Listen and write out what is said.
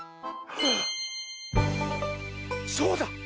そうだ！